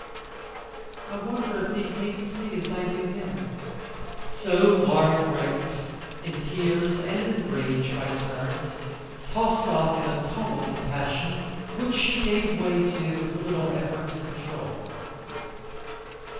I wonder if he hates me as I do him?" So Laura raved, in tears and in rage by turns, tossed in a tumult of passion, which she gave way to with little effort to control.